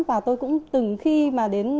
và tôi cũng từng khi mà đến